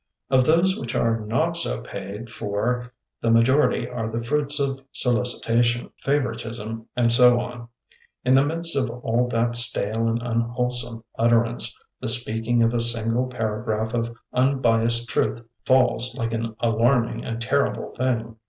Of those which are not so paid for, the majority are the fruits of solicitation, fa voritism, and so on. In the midst of all that stale and unwholesome utterance, the speaking of a single paragraph of unbiased truth falls like an alarming and terrible thing